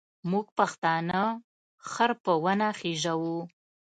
موږ پښتانه خر په ونه خېزوو.